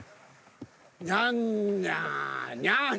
にゃんにゃにゃん。